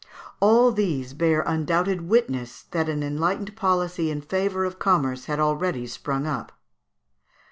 All these bear undoubted witness that an enlightened policy in favour of commerce had already sprung up.